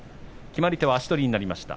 決まり手は足取りになりました